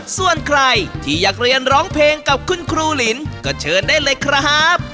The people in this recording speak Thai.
ส่วนใครที่อยากเรียนร้องเพลงกับคุณครูลินก็เชิญได้เลยครับ